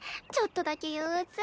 ちょっとだけ憂鬱。